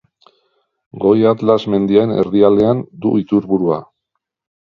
Goi Atlas mendien erdialdean du iturburua.